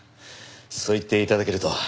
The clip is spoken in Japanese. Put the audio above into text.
そう言って頂けると。